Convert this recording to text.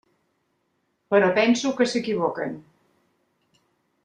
Però penso que s'equivoquen.